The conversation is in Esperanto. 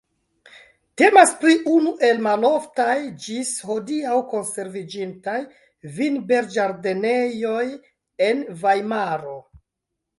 Temas pri unu el maloftaj ĝis hodiaŭ konserviĝintaj vinberĝardenejoj en Vajmaro.